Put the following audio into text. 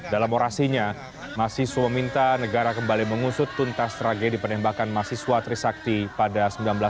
dalam orasinya mahasiswa meminta negara kembali mengusut tuntas tragedi penembakan mahasiswa trisakti pada seribu sembilan ratus delapan puluh